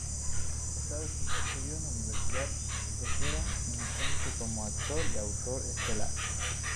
Estudió en la Universidad Waseda, iniciándose como actor y autor teatral.